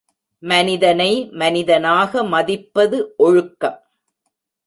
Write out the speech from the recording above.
மனிதனை, மனிதனாக மதிப்பது ஒழுக்கம்.